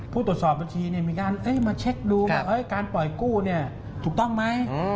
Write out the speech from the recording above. ผู้ตรวจสอบบัญชีมีการมาเช็คดูว่าการปล่อยกู้ถูกต้องไหม